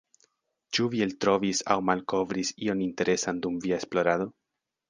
Ĉu vi eltrovis aŭ malkovris ion interesan dum via esplorado?